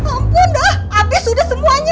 ampun dah abis udah semuanya